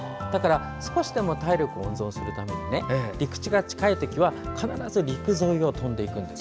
少しでも体力温存するために陸地が近い時は必ず陸沿いを飛んでいくんです。